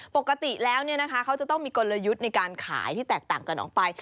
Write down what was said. ปกติแล้วเขาจะต้องมีกลยุทธ์ในการขายที่แตกต่างกันออกไป